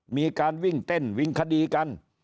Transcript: มีการวิ่งเต้นวิ่งคดีกัน